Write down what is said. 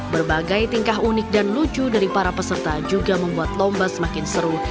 berbagai tingkah unik dan lucu dari para peserta juga membuat lomba semakin seru